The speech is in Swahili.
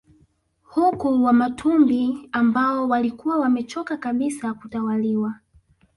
Huku Wamatumbi ambao walikuwa wamechoka kabisa kutawaliwa